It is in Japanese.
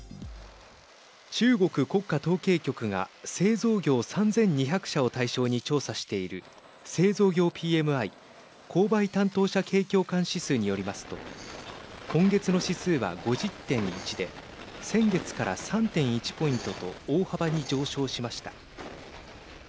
中国国家統計局が製造業３２００社を対象に調査している製造業ＰＭＩ＝購買担当者景況感指数によりますと今月の指数は５０．１で先月から３．１ポイントと大幅に上昇しました。